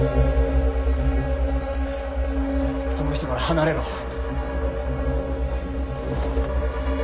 その人から離れろ！